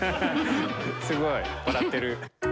すごい。笑ってる。